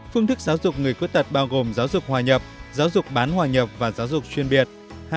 một phương thức giáo dục người khuyết tật bao gồm giáo dục hòa nhập giáo dục bán hòa nhập và giáo dục chuyên biệt